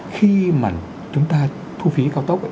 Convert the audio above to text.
khi mà chúng ta thu phí cao tốc